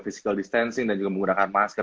physical distancing dan juga menggunakan masker